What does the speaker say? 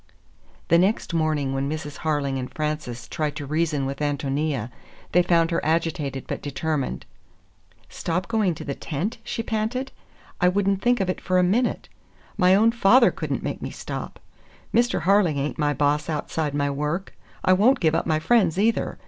The next morning when Mrs. Harling and Frances tried to reason with Ántonia, they found her agitated but determined. "Stop going to the tent?" she panted. "I would n't think of it for a minute! My own father could n't make me stop! Mr. Harling ain't my boss outside my work. I won't give up my friends, either.